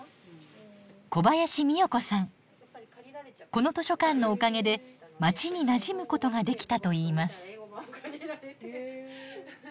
この図書館のおかげで街になじむことができたといいます。